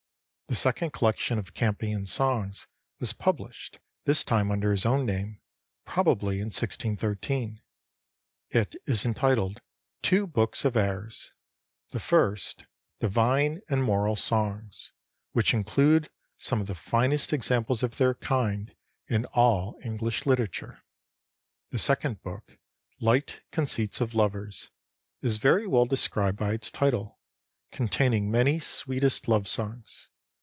The second collection of Campion's songs was published, this time under his own name, probably in 1613. It is entitled 'Two Books of Airs'; the first, 'Divine and Moral Songs,' which include some of the finest examples of their kind in all English literature; the second book, 'Light Conceits of Lovers,' is very well described by its title, containing many sweetest love songs.